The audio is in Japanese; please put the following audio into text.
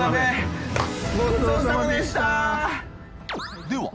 ごちそうさまでした。